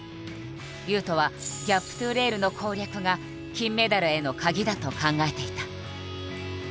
雄斗は「ギャップｔｏレール」の攻略が金メダルへのカギだと考えていた。